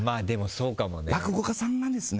落語家さんがですね